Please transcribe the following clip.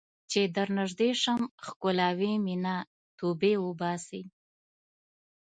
چې درنږدې شم ښکلوې مې نه ، توبې وباسې